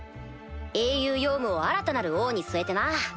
英雄ヨウムを新たなる王に据えてな。